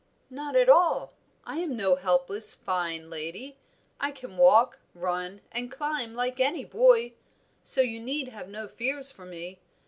"Not at all. I am no helpless, fine lady. I can walk, run, and climb like any boy; so you need have no fears for me.